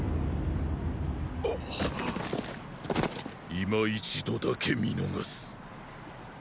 今一度だけ見逃す。